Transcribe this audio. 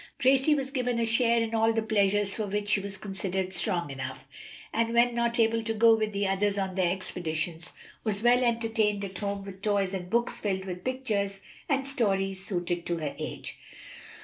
Gracie was given a share in all the pleasures for which she was considered strong enough, and when not able to go with the others on their expeditions, was well entertained at home with toys and books filled with pictures and stories suited to her age.